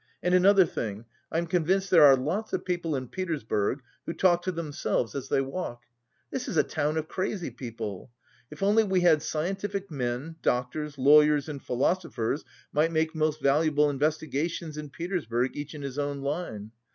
And another thing, I'm convinced there are lots of people in Petersburg who talk to themselves as they walk. This is a town of crazy people. If only we had scientific men, doctors, lawyers and philosophers might make most valuable investigations in Petersburg each in his own line.